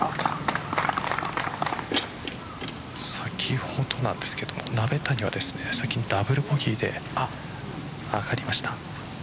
先ほどなんですが、鍋谷はダブルボギーで上がりました。